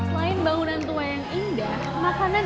selain bangunan tua yang indah makanan